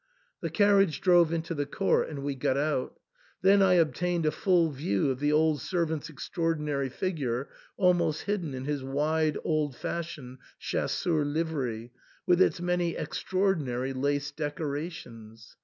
The carriage drove into the court, and we got out ; then I obtained a full view of the old servant's extraordinary figure, almost hidden in his wide old fashioned chasseur livery, with its many extra ordinary lace decorations.